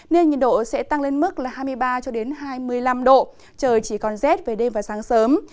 nên nhiệt độ sẽ tăng lên mức là hai mươi ba hai mươi năm độ trời chỉ còn rét về đêm và sáng sớm